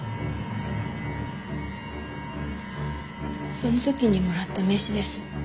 その時にもらった名刺です。